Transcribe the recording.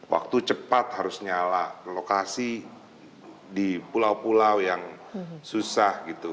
waktu cepat harus nyala lokasi di pulau pulau yang susah gitu